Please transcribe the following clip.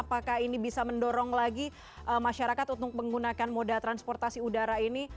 apakah ini bisa mendorong lagi masyarakat untuk menggunakan moda transportasi udara ini